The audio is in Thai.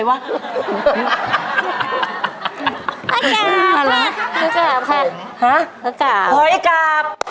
หอยกาบค่ะนึกออกแล้วหอยกาบค่ะหอยกาบ